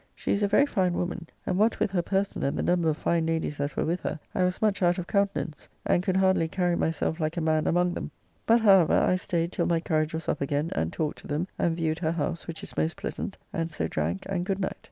She is a very fine woman, and what with her person and the number of fine ladies that were with her, I was much out of countenance, and could hardly carry myself like a man among them; but however, I staid till my courage was up again, and talked to them, and viewed her house, which is most pleasant, and so drank and good night.